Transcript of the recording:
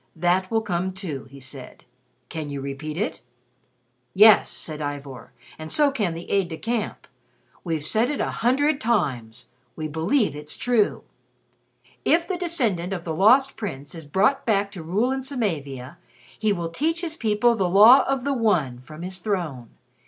That will come, too," he said. "Can you repeat it?" "Yes," said Ivor, "and so can the aide de camp. We've said it a hundred times. We believe it's true. 'If the descendant of the Lost Prince is brought back to rule in Samavia, he will teach his people the Law of the One, from his throne.